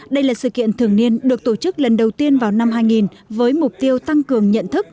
đây là sự kiện thường niên được tổ chức lần đầu tiên vào năm hai nghìn với mục tiêu tăng cường nhận thức